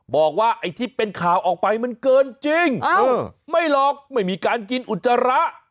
บอกว่าไอ้ที่เป็นข่าวออกไปมันเกินจริงไม่หรอกไม่มีการกินอุจจาระ